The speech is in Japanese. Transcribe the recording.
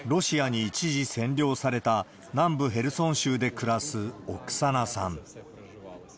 ロシアに一時占領された、南部ヘルソン州で暮らすオクサナさん。